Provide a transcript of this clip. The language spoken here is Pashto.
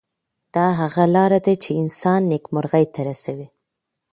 دا هغه لار ده چې انسان نیکمرغۍ ته رسوي.